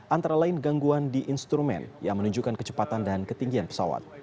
antara lain gangguan di instrumen yang menunjukkan kecepatan dan ketinggian pesawat